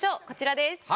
こちらです。